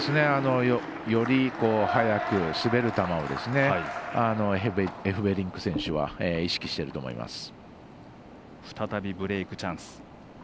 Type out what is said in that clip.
より速く滑る球をエフベリンク選手は再びブレークチャンス。